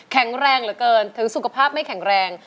แข็งแรงเหลือเกินถึงสุขภาพไม่แข็งแรง